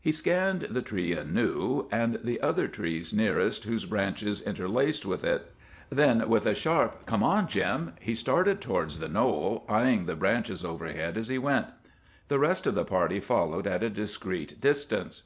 He scanned the tree anew and the other trees nearest whose branches interlaced with it. Then, with a sharp "Come on, Jim," he started towards the knoll, eyeing the branches overhead as he went. The rest of the party followed at a discreet distance.